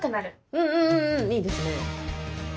うんうんうんうんいいですね。